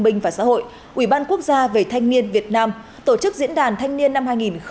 minh và xã hội ủy ban quốc gia về thanh niên việt nam tổ chức diễn đàn thanh niên năm hai nghìn hai mươi hai